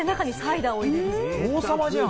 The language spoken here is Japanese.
王様じゃん！